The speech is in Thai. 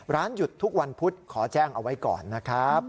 หยุดทุกวันพุธขอแจ้งเอาไว้ก่อนนะครับ